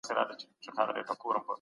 څه شی ګمرک له لوی ګواښ سره مخ کوي؟